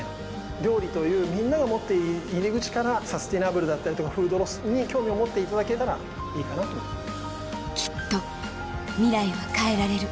料理というみんなが持っている入り口からサスティナブルだったりフードロスに興味を持っていただけたらいいかなと思います。